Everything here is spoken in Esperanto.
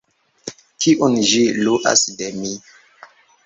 kiun ĝi luas de mi.